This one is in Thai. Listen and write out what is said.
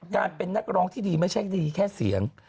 การเป็นนักร้องที่ดีไม่ใช่ดีแค่เสียง